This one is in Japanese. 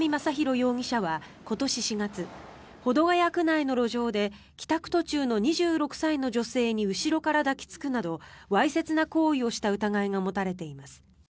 容疑者は今年４月保土ケ谷区内の路上で帰宅途中の２６歳の女性に後ろから抱き着くなどわいせつな行為をした疑いが持たれています。